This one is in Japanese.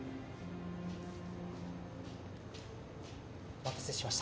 お待たせしました。